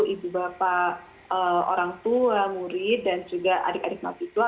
ibu bapak orang tua murid dan juga adik adik mahasiswa